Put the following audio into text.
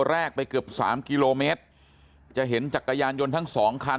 แรกไปเกือบสามกิโลเมตรจะเห็นจักรยานยนต์ทั้งสองคัน